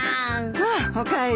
ああおかえり。